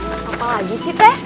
apa lagi sih teh